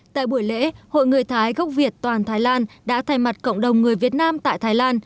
tại buổi lễ hội người thái gốc việt toàn thái lan đã thay mặt cộng đồng người việt nam tại thái lan